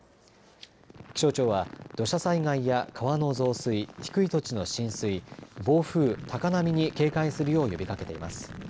気象庁は土砂災害や川の増水、低い土地の浸水、暴風、高波に警戒するよう呼びかけています。